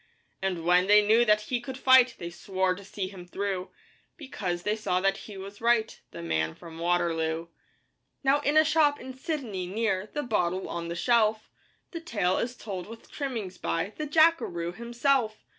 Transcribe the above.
And when they knew that he could fight They swore to see him through, Because they saw that he was right The Man from Waterloo. Now in a shop in Sydney, near The Bottle on the Shelf, The tale is told with trimmings by The Jackaroo himself.